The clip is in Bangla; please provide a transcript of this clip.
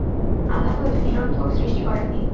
আল্লাহ এটা নিরর্থক সৃষ্টি করেননি।